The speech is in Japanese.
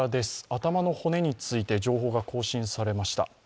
頭の骨について情報が更新されました。